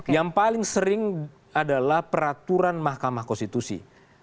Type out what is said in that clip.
yang paling sering adalah peraturan mahkamah konstitusi